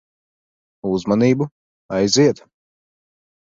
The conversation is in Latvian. Uzmanību. Aiziet.